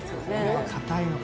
ないのか。